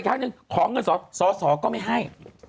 ขอเงินสอสอก็ไม่ให้